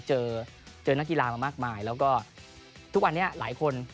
เจอเจอนักกีฬามามากมายแล้วก็ทุกวันนี้หลายคน